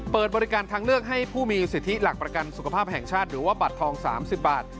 เปิดบริการทางเลือกให้ผู้มีสิทธิหลักประกันสุขภาพแห่งชาติหรือว่าบัตรทอง๓๐บาท